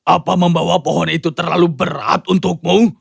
apa membawa pohon itu terlalu berat untukmu